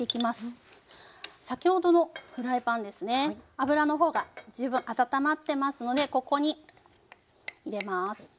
油の方が十分温まってますのでここに入れます。